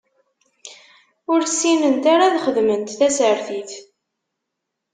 Ur ssinent ara ad xedment tasertit.